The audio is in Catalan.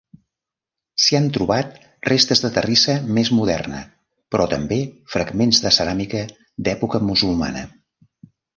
S'hi han trobat restes de terrissa més moderna però també fragments de ceràmica d'època musulmana.